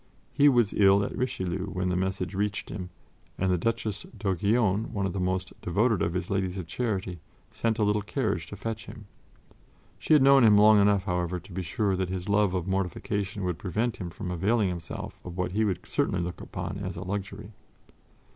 He was ill at Richelieu when the message reached him, and the Duchess d'Aiguillon, one of the most devoted of his Ladies of Charity, sent a little carriage to fetch him. She had known him long enough, however, to be sure that his love of mortification would prevent him from availing himself of what he would certainly look upon as a luxury.